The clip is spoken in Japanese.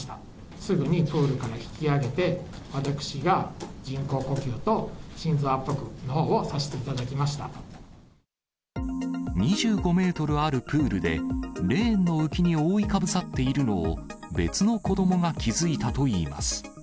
すぐにプールから引き上げて、私が人工呼吸と心臓圧迫のほうを２５メートルあるプールで、レーンの浮きに覆いかぶさっているのを、別の子どもが気付いたといいます。